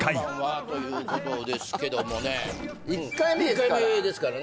１回目ですから。